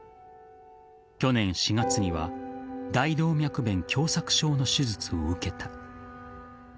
去年４月には大動脈弁狭窄症の手術を受けた。